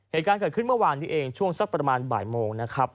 เหตุการณ์เกิดขึ้นเมื่อวานนี้เองช่วงสักประมาณบ่ายโมงนะครับ